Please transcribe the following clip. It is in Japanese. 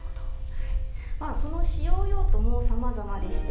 その使用用途もさまざまでして